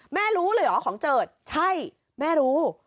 รู้เลยเหรอของเจิดใช่แม่รู้